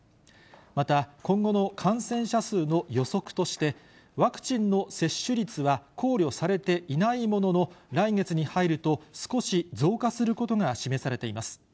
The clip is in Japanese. また、今後の感染者数の予測として、ワクチンの接種率は考慮されていないものの、来月に入ると、少し増加することが示されています。